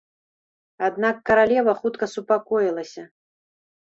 Аднак каралева хутка супакоілася.